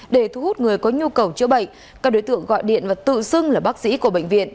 để thu hút người có nhu cầu chữa bệnh các đối tượng gọi điện và tự xưng là bác sĩ của bệnh viện